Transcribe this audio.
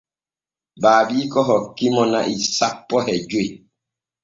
Baabiiko hoki mo na'i sanpo e joy.